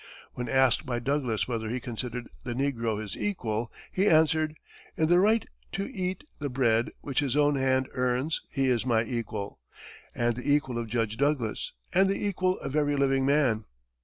When asked by Douglas whether he considered the negro his equal, he answered: "In the right to eat the bread which his own hand earns, he is my equal, and the equal of Judge Douglas, and the equal of every living man."